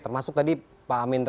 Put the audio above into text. termasuk tadi pak amin